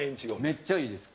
めっちゃいいです。